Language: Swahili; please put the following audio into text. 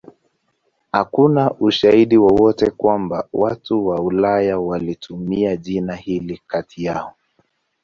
Hakuna ushahidi wowote kwamba watu wa Ulaya walitumia jina hili kati yao.